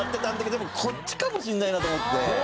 でもこっちかもしれないなと思って。